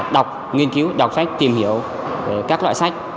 đọc nghiên cứu đọc sách tìm hiểu các loại sách